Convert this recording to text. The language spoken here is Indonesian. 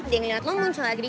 tapi inporter dia punya ikan